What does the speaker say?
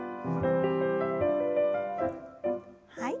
はい。